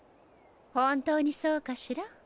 本当にそうかしら？